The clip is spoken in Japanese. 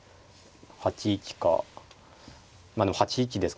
８一かまあでも８一ですかね。